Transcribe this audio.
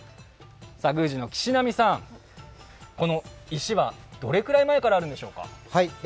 宮司の岸浪さん、この石はどれくらい前からあるんでしょうか？